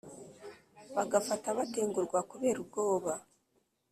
bagapfa batengurwa kubera ubwoba,